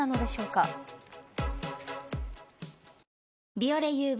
「ビオレＵＶ」